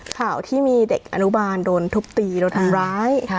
ข่าวที่มีเด็กอนุบาลโดนทุบตีโดนทำร้าย